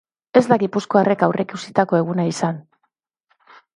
Ez da gipuzkoarrek aurreikusitako eguna izan.